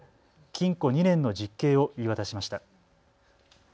禁錮２年の実刑を言い渡しました。